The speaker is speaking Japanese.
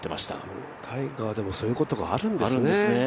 タイガーでもそういうことがあるんですね。